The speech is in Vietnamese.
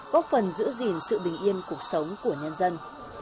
góp phần giữ gìn sự bình yên cuộc sống của nhân dân